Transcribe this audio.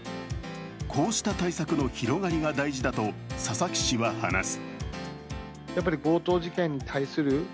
こうした対策の広がりが大事だと、佐々木氏は話す。